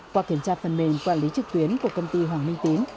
qua kiểm tra phần mềm quản lý trực tuyến của công ty hoàng minh tín